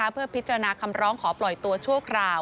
เพื่อพิจารณาคำร้องขอปล่อยตัวชั่วคราว